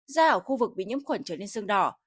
da ở khu vực bị nhiễm khuẩn trở nên sơn đỏ